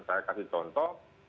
saya kasih contoh